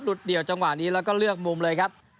เดี่ยวจังหวะนี้แล้วก็เลือกมุมเลยครับ